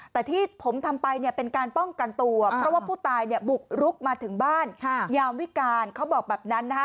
แต่ที่ผมทำไปเนี่ยเป็นการป้องกันตัวเพราะว่าผู้ตายเนี่ยบุกรุกมาถึงบ้านยามวิการเขาบอกแบบนั้นนะคะ